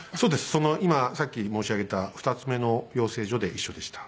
その今さっき申し上げた２つ目の養成所で一緒でした。